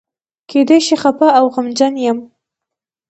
کېدای شي خپه او غمجن یم.